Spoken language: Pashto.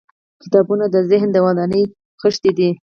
• کتابونه د ذهن د ودانۍ خښتې دي.